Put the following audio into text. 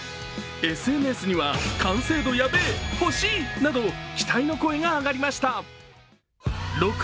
ＳＮＳには、完成度やべえ、ほしい！など期待の声が上がりました。